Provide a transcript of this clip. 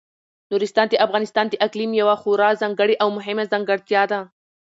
نورستان د افغانستان د اقلیم یوه خورا ځانګړې او مهمه ځانګړتیا ده.